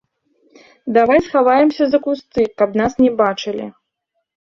Давай схаваемся за кусты, каб нас не бачылі.